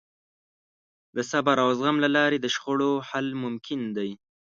د صبر او زغم له لارې د شخړو حل ممکن دی.